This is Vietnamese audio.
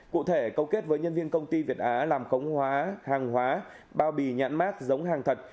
cụ thể câu kết với nhân viên công ty việt á làm khống hóa hàng hóa bao bì nhãn mát giống hàng thật